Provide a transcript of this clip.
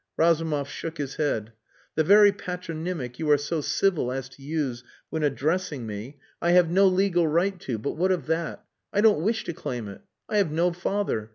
Razumov shook his head. "The very patronymic you are so civil as to use when addressing me I have no legal right to but what of that? I don't wish to claim it. I have no father.